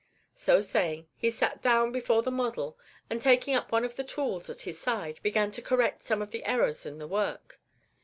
So saying, he sat down before the model, and taking up one of the tools at his side, began to correct some of the errors in the work.